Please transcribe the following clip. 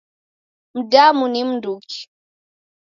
Mdamu ni mnduki?